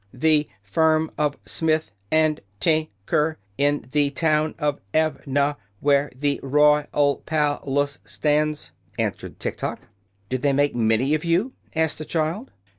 "The firm of Smith & Tin ker, in the town of Evna, where the roy al pal ace stands," answered Tiktok. "Did they make many of you?" asked the child.